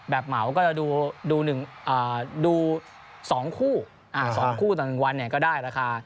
แบบเหมาก็จะดูดูหนึ่งอ่าดูสองคู่อ่าสองคู่ต่างจากหนึ่งวันเนี่ยก็ได้ราคา